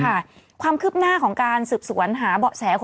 อ่าอ่าอ่าอ่าอ่าอ่าอ่าอ่า